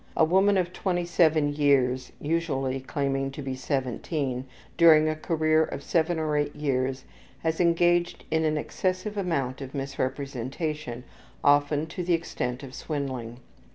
A woman of 27 years (usually claiming to be 17), during a career of 7 or 8 years has engaged in an excessive amount of misrepresentation, often to the extent of swindling.